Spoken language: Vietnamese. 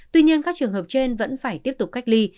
tuy nhiên các trường hợp trên vẫn phải tiếp tục cách ly